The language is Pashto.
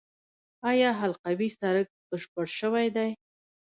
آیا حلقوي سړک بشپړ شوی دی؟